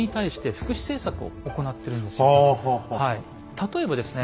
例えばですね